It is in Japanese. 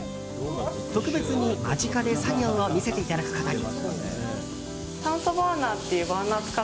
特別に間近で作業を見せていただくことに。